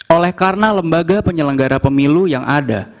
oleh karena lembaga penyelenggara pemilu yang ada